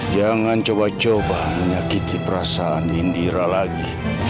jangan coba coba menyakiti perasaan windira lagi